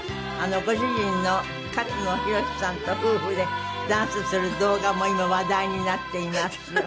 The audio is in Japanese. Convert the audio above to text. ご主人の勝野洋さんと夫婦でダンスする動画も今話題になっています。